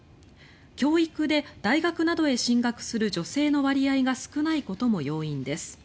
教育で大学などへ進学する女性の割合が少ないことも要因です。